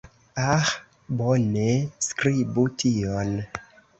Ah, bone. Skribu tion.